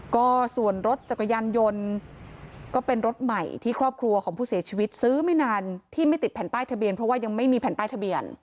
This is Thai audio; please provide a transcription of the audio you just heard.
ก็ส่วนรถจักรยานยนต์ก็เป็นรถใหม่ที่ครอบครัวของผู้เสียชีวิตซื้อไม่นานที่ไม่ติดแผ่นป้ายทะเบียนเพราะว่ายังไม่มีแผ่นป้ายทะเบียน